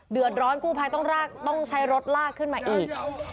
ร้อนกู้ภัยต้องใช้รถลากขึ้นมาอีก